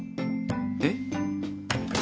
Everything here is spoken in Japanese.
えっ？